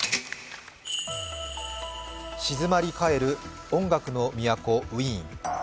静まりかえる音楽の都・ウィーン。